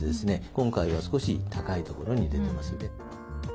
今回は少し高いところに出てますね。